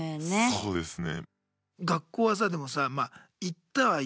そうですね。